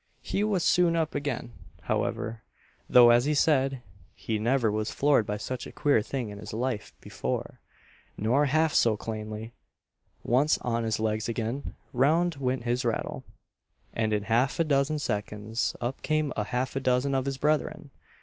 He was soon up again, however though, as he said, he never was floored by such a queer thing in his life before, nor half so clanely. Once on his legs again, round went his rattle, and in half a dozen seconds up came half a dozen of his brethren.